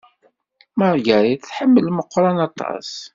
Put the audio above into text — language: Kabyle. Margerit tḥemmel Meqqran aṭas.